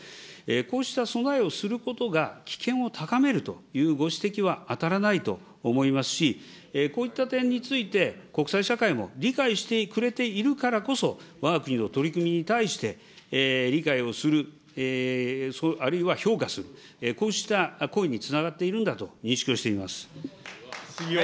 こうした備えをすることが危険を高めるというご指摘は当たらないと思いますし、こういった点について、国際社会も理解してくれているからこそ、わが国の取り組みに対して理解をする、あるいは評価する、こうした行為につながっているんだと認識をしております。